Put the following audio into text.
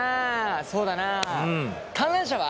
そうだな観覧車は？